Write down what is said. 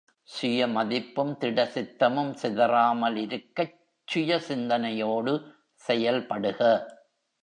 சுயமதிப்பும் திடசித்தமும் சிதறாமல் இருக்கச் சுய சிந்தனையோடு செயல்படுக.